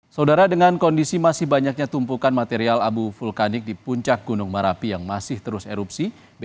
saudara dengan kondisi masih banyaknya tumpukan material abu vulkanik di puncak gunung merapi yang masih terus erupsi